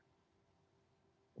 tapi sekarang ditiadakan